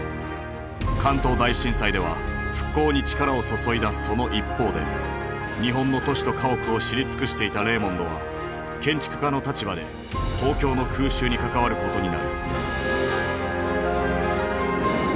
関東大震災では復興に力を注いだその一方で日本の都市と家屋を知り尽くしていたレーモンドは建築家の立場で東京の空襲に関わることになる。